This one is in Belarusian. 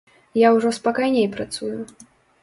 Я ўжо спакайней працую.